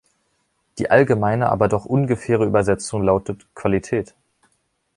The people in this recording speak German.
Die allgemeine, aber doch ungefähre Übersetzung lautet „Qualität“.